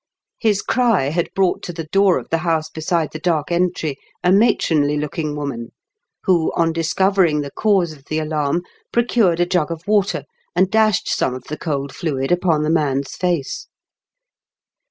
His cry had brought to tie door of the house beside the Dark Entry a matronly looking woman, who, on discovering the cause of the alarm, procured a jug of water, and dashed some of the cold fluid upon the man's face.